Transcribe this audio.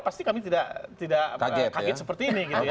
pasti kami tidak kaget seperti ini